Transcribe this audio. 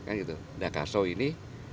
nah kasal ini